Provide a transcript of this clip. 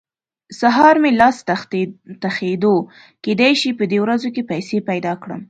سهار مې لاس تخېدو؛ کېدای شي په دې ورځو کې پيسې پیدا کړم.